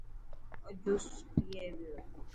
او جوس پئي پيو.